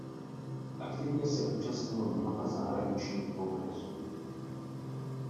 Aktivně se účastnil mnoha zahraničních kongresů.